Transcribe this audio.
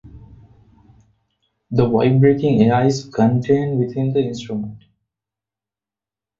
The vibrating air is contained within the instrument.